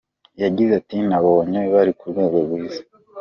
Yagize ati “Nabonye bari ku rwego rwiza.